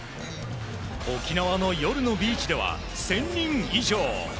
沖縄の夜のビーチでは、１０００人以上。